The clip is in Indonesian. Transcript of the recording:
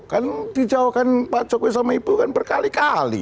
kan dijauhkan pak jokowi sama ibu kan berkali kali